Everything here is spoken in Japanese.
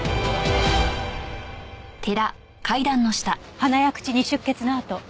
鼻や口に出血の痕。